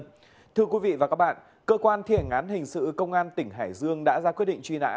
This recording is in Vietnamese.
xin kính chào quý vị và các bạn cơ quan thiển án hình sự công an tỉnh hải dương đã ra quyết định truy nã